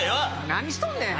何しとんねん！